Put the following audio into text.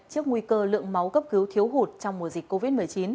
trước nguy cơ lượng máu cấp cứu thiếu hụt trong mùa dịch covid một mươi chín